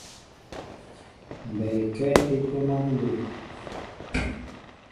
Mɓɛɛ ekáá e ntoma nló.